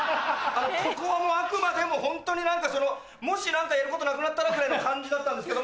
ここはあくまでもホントに何かそのもし何かやることなくなったらぐらいの感じだったんですけども。